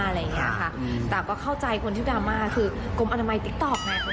อะไรอย่างเงี้ยค่ะแต่ก็เข้าใจคนที่ดราม่าคือกรมอนามัยติ๊กต๊อกไง